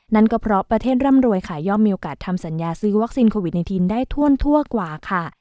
นั่นก็เพราะประเทศร่ำรวยค่ะย่อมมีโอกาสทำสัญญาซื้อวัคซีนโควิด๑๙ได้ทั่วกว่าค่ะ